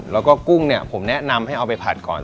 แล้วก็กุ้งเนี่ยผมแนะนำให้เอาไปผัดก่อน